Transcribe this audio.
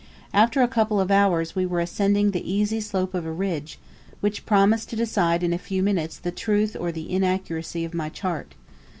After a couple of hours we were ascending the easy slope of a ridge, which promised to decide in a few minutes the truth or the inaccuracy of my chart.